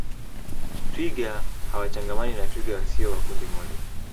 Twiga hawachangamani na twiga wasio wa kundi moja